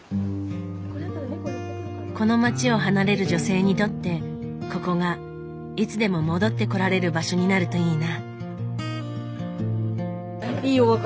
この街を離れる女性にとってここがいつでも戻ってこられる場所になるといいな。